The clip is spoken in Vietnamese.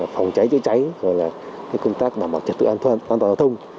phòng cháy chữa cháy công tác đảm bảo trật tự an toàn giao thông